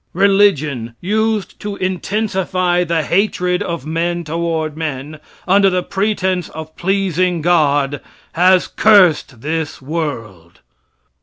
Religion, used to intensify the hatred of men toward men, under the pretense of pleasing God, has cursed this world.